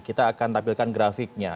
kita akan tampilkan grafiknya